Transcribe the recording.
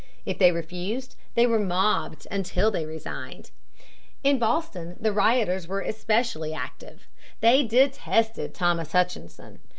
If they refused, they were mobbed until they resigned. In Boston the rioters were especially active. They detested Thomas Hutchinson.